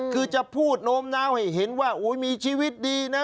คือจะพูดโน้มน้าวให้เห็นว่ามีชีวิตดีนะ